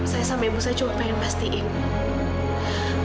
saya sama ibu cuma pengen mastiin